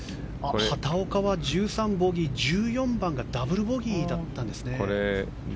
畑岡は１３ボギー、１４番がダブルボギーだったんですね。